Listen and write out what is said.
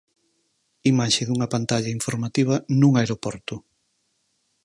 Imaxe dunha pantalla informativa nun aeroporto.